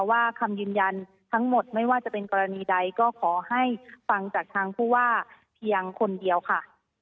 คำยืนยันทั้งหมดไม่ว่าจะเป็นกรณีใดก็ขอให้ฟังจากทางผู้ว่าเพียงคนเดียวค่ะ